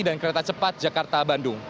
dan kereta cepat jakarta bandung